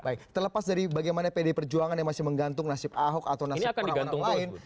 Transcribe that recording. baik terlepas dari bagaimana pdi perjuangan yang masih menggantung nasib ahok atau nasib orang orang lain